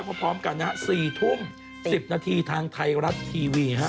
พร้อมกันนะฮะ๔ทุ่ม๑๐นาทีทางไทยรัฐทีวีฮะ